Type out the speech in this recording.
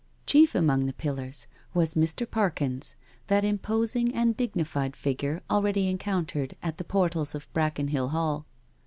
Chief among the pillars was Mr. Par 208 THE DINNER PARTY 209 kins, that imposing and dignified figure already en countered at the portals of Brackenhill Hall.